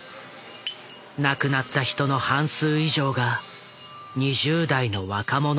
亡くなった人の半数以上が２０代の若者だった。